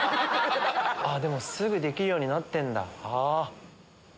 すぐできるようになってんだ。